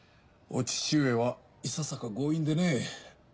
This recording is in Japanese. お父上はいささか強引でね。